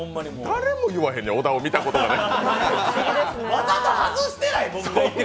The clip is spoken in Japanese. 誰も言わへん、小田を見たことがない。